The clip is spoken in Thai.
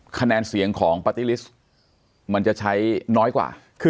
คะแนนเสียงของปาร์ตี้ลิสต์มันจะใช้น้อยกว่า